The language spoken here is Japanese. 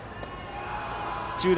土浦